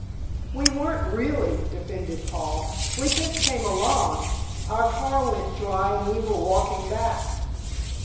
"We weren't, really," defended Paul. "We just came along. Our car went dry and we were walking back."